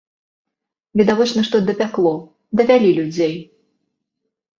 Відавочна, што дапякло, давялі людзей.